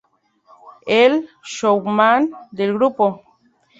El 'showman' del grupo.